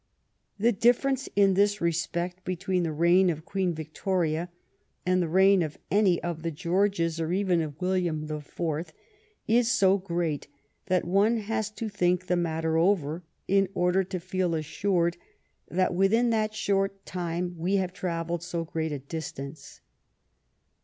The difference in this respect between the reign of Queen Victoria and the reign of any of the Georges or even of William IV. is so great that one has to think the matter over in order to feel assured that within that short time we have trav ersed so great a distance.